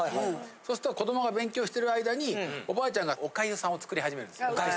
そうすると子供が勉強してる間におばあちゃんがおかゆさんを作り始めるんですよ。